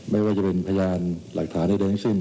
ไม่ว่าจะเป็นพยานหลักฐานใดทั้งสิ้น